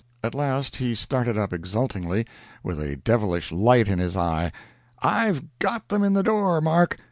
At last he started up exultingly, with a devilish light in his eye: "I've got them in the door, Mark!